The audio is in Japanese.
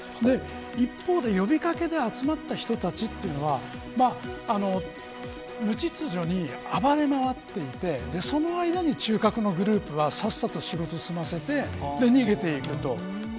一方で、呼び掛けで集まった人たちというのは無秩序に暴れ回っていてその間に中核のグループはさっさと仕事を済ませて逃げていくと。